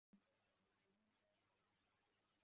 Urubyiruko muri sombreros rwishimira amafuti n'ibinyobwa